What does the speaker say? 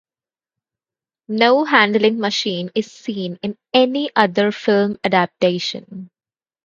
No handling machine is seen in any other film adaptation.